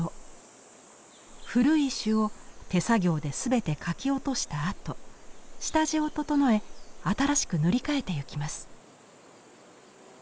古い朱を手作業で全てかき落としたあと下地を整え新しく塗り替えてゆきます。